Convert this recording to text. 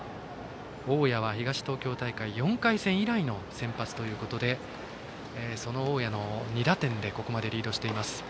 大矢は東東京大会４回戦以来の先発ということでその大矢の２打点でここまでリードしています。